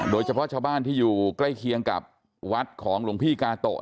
โดยเฉพาะชาวบ้านที่อยู่ใกล้เคียงกับวัดของหลวงพี่กาโตะ